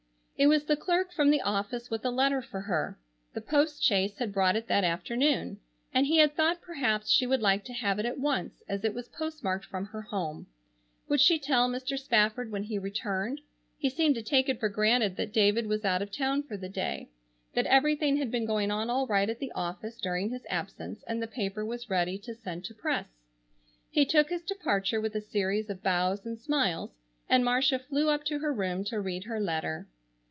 It was the clerk from the office with a letter for her. The post chaise had brought it that afternoon, and he had thought perhaps she would like to have it at once as it was postmarked from her home. Would she tell Mr. Spafford when he returned—he seemed to take it for granted that David was out of town for the day—that everything had been going on all right at the office during his absence and the paper was ready to send to press. He took his departure with a series of bows and smiles, and Marcia flew up to her room to read her letter.